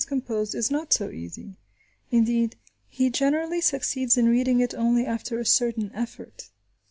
posed is not so easy. Indeed, he generally succeeds in reading it only after a certain effort.